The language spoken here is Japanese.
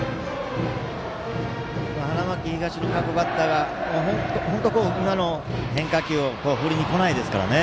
花巻東の各バッターは変化球を振りにこないですからね。